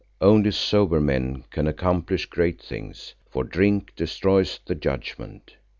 Only sober men can accomplish great things, for drink destroys the judgment.